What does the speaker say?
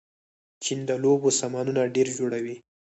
چین د لوبو سامانونه ډېر جوړوي.